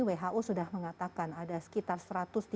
who sudah mengatakan ada sekitar